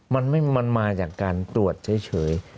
มันมาจากการตรวจเฉย